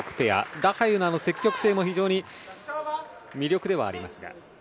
ラハユの積極性も魅力ではありますが。